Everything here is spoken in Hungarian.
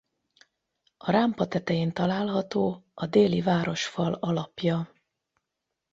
A rámpa tetején található a déli városfal alapja.